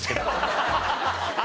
ハハハハ！